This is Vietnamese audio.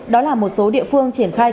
đó là một số địa phương triển khai